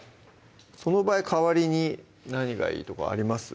その場合代わりに何がいいとかあります？